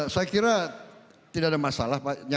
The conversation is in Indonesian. saya kira tidak ada masalah